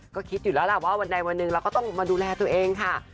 ก็คิดอยู่แล้วล่ะว่าวันใดวันหนึ่งเราก็ต้องมาดูแลตัวเองค่ะ